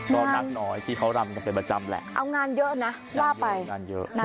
ก็นักน้อยที่เขารำกันเป็นประจำแหละเอางานเยอะนะว่าไปงานเยอะนะคะ